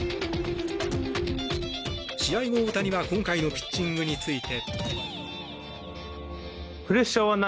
試合後、大谷は今回のピッチングについて。